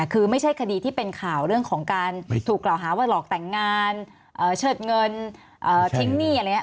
คือไม่ใช่คดีที่เป็นข่าวเรื่องของการถูกกล่าวหาว่าหลอกแต่งงานเชิดเงินทิ้งหนี้อะไรอย่างนี้